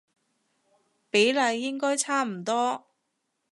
比例應該差唔多